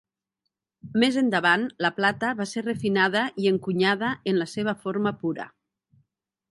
Més endavant, la plata va ser refinada i encunyada en la seva forma pura.